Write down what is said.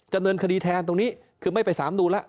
เนินคดีแทนตรงนี้คือไม่ไปสามนูนแล้ว